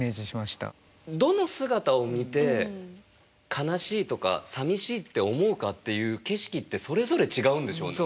どの姿を見て悲しいとかさみしいって思うかっていう景色ってそれぞれ違うんでしょうね。